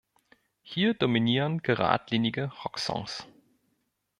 Hier dominieren geradlinige Rocksongs.